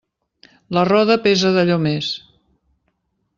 La roda pesa d'allò més.